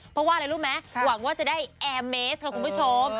เพราะว่าอะไรรู้ไหมหวังว่าจะได้แอร์เมสค่ะคุณผู้ชม